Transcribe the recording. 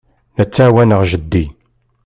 La ttɛawaneɣ jeddi.